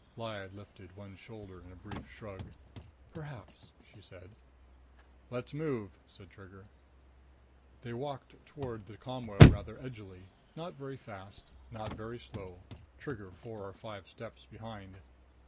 Lyad lifted one shoulder in a brief shrug. "Perhaps," she said. "Let's move!" said Trigger. They walked toward the ComWeb rather edgily, not very fast, not very slow, Trigger four or five steps behind.